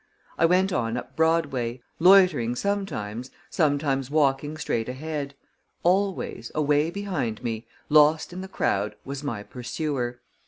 I went on up Broadway, loitering sometimes, sometimes walking straight ahead; always, away behind me, lost in the crowd, was my pursuer.